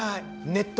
ネット。